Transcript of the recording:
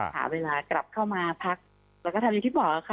หาเวลากลับเข้ามาพักแล้วก็ทำอย่างที่บอกค่ะ